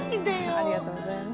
ありがとうございます。